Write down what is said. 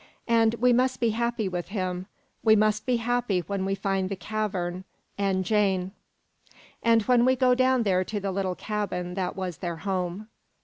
And we must be happy with him. We must be happy when we find the cavern and Jane!" "And when we go down there to the little cabin that was their home."